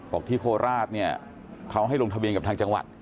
บอกที่โคราชเขาให้ลงทะเบียนกับทางจังหวัด